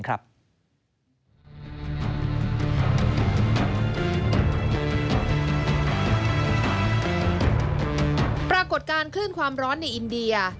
ปรากฏการณ์คลื่นความร้อนในอินเดีย